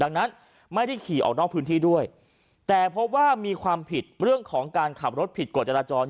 ดังนั้นไม่ได้ขี่ออกนอกพื้นที่ด้วยแต่พบว่ามีความผิดเรื่องของการขับรถผิดกฎจราจร